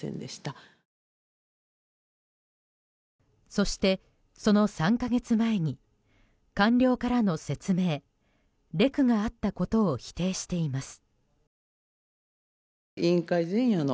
そして、その３か月前に官僚からの説明レクがあったことを否定しています。